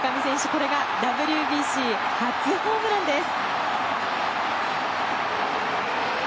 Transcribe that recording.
これがＷＢＣ初ホームランです。